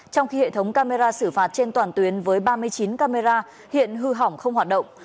trong khi hệ thống camera xử phạt trên toàn tuyến với ba mươi chín camera hiện hư hỏng không hoạt động